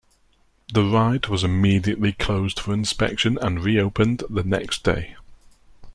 The ride was immediately closed for inspection and reopened the next day.